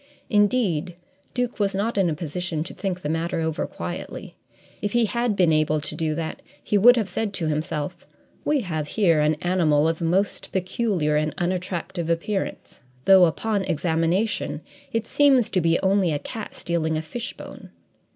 Indeed, Duke was not in a position to think the matter over quietly. If he had been able to do that, he would have said to himself: "We have here an animal of most peculiar and unattractive appearance, though, upon examination, it seems to be only a cat stealing a fishbone.